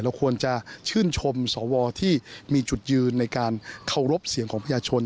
ควรจะชื่นชมสวที่มีจุดยืนในการเคารพเสียงของประชาชน